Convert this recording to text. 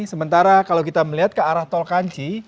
sementara kalau kita melihat ke arah tol kanci